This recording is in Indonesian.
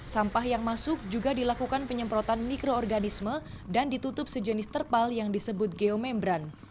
sampah yang masuk juga dilakukan penyemprotan mikroorganisme dan ditutup sejenis terpal yang disebut geomembran